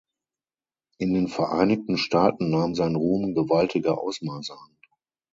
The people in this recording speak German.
In den Vereinigten Staaten nahm sein Ruhm gewaltige Ausmaße an.